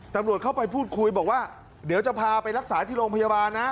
ตำรวจเข้าไปพูดคุยบอกว่าเดี๋ยวจะพาไปรักษาที่โรงพยาบาลนะ